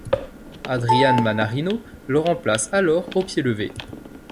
Adrian Mannarino le remplace alors au pied levé.